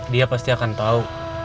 saya pasti akan tahu